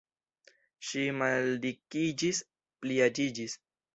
Ŝi maldikiĝis, pliaĝiĝis.